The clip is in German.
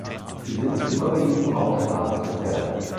Sie sind überwiegend braunschwarz gefärbt.